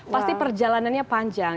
pasti perjalanannya panjang